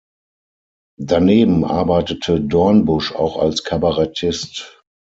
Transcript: Daneben arbeitete Dornbusch auch als Kabarettist.